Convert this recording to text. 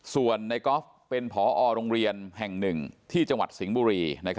ส่วนในกอล์ฟเป็นผอโรงเรียนแห่งหนึ่งที่จังหวัดสิงห์บุรี